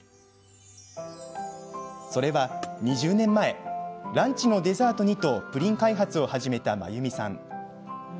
それは、２０年前ランチのデザートにとプリン開発を始めた真由美さん。